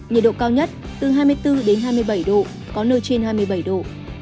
nhiệt độ cao nhất từ hai mươi bốn đến hai mươi bảy độ có nơi trên hai mươi bảy độ